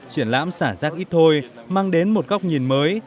triển lãm xả rác ít thôi mang đến một góc nhìn mới